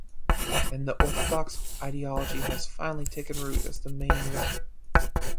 And the Orthodox ideology has finally taken root as the main one.